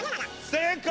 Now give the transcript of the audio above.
正解！